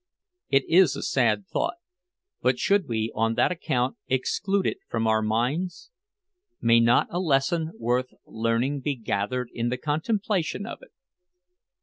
It is a sad thought, but should we on that account exclude it from our minds? May not a lesson worth learning be gathered in the contemplation of it?